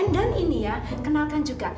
ini ya kenalkan juga